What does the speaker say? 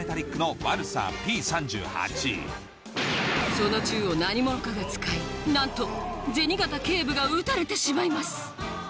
その銃を何者かが使いなんと銭形警部が撃たれてしまいます